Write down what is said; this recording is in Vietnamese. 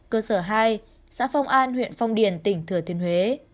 cơ sở hai xã phong an huyện phong điền tỉnh thừa thiên huế